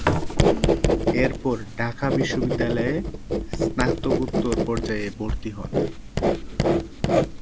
এরপর ঢাকা বিশ্ববিদ্যালয়ে স্নাতকোত্তর পর্যায়ে ভর্তি হন।